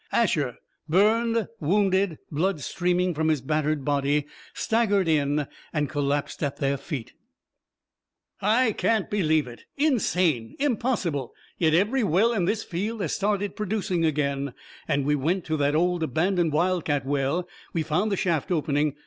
Asher, burned, wounded, blood streaming from his battered body, staggered in and collapsed at their feet. "I can't believe it! Insane! Impossible! Yet, every well in this field has started producing again! And when we went to that old, abandoned wildcat well, we found the shaft opening!